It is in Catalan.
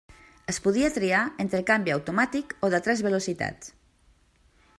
Es podia triar entre canvi automàtic o de tres velocitats.